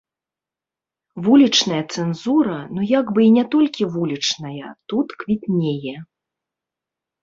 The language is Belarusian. Вулічная цэнзура, ну як бы і не толькі вулічная, тут квітнее.